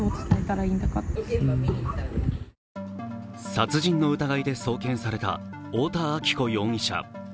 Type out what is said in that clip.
殺人の疑いで送検された太田亜紀子容疑者。